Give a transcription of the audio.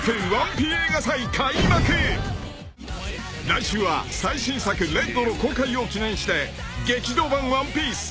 ［来週は最新作『ＲＥＤ』の公開を記念して］